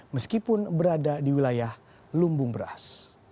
meskipun berada di wilayah lumbung beras